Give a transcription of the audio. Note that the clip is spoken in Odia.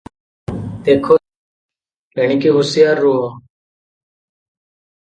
"ଦେଖ ଶ୍ୟାମ, ଏଣିକି ହୁସିଆର ରହ